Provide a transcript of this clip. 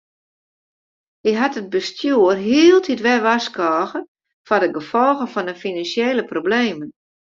Hy hat it bestjoer hieltyd wer warskôge foar de gefolgen fan de finansjele problemen.